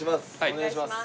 お願いします。